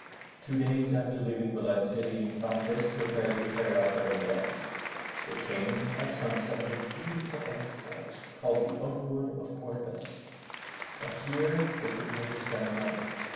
Two days after leaving Valencia, the Infantes prepared to carry out their revenge. They came at sunset to a beautiful oak forest called the Oak wood of Corpes and here they prepared to spend the night.